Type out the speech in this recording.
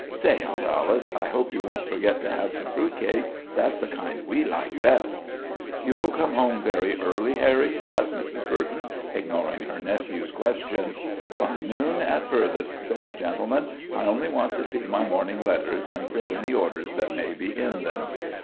"Say, Aunt Alice, I hope you won't forget to have some fruit cake. That's the kind we like best." "You'll come home very early, Harry?" asked Mrs. Burton, ignoring her nephew's question. "By noon, at furthest," said the gentleman. "I only want to see my morning letters, and fill any orders that may be in them."